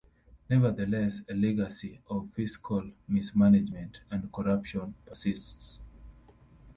Nevertheless, a legacy of fiscal mismanagement and corruption persists.